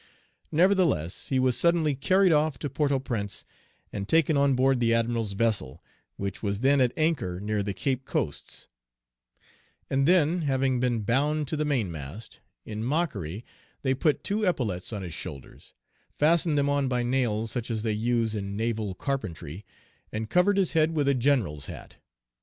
Nevertheless, he was suddenly carried off to Port au Prince, and taken on board the admiral's vessel, which was then at anchor near the Cape coasts; and then, having been bound to the mainmast, in mockery they put two epaulettes on his shoulders, fastened them on by nails such as they use in naval carpentry, and covered his head with a general's hat.